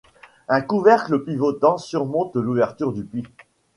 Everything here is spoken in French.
Un couvercle pivotant surmonte l'ouverture du puits.